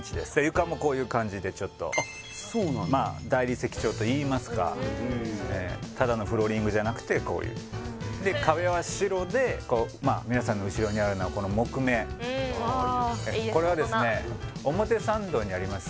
床もこういう感じでちょっとまあ大理石調といいますかただのフローリングじゃなくてこういうで壁は白でまあ皆さんの後ろにあるのはこの木目これはですね表参道にあります